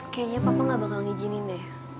kayaknya papa gak bakal ngizinin deh